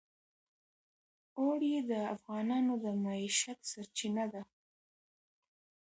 اوړي د افغانانو د معیشت سرچینه ده.